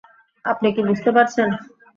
আপনি কী বুঝতে পারছেন?